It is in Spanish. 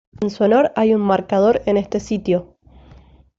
En su honor hay un marcador en este sitio.